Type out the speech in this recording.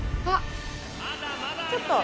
あっ。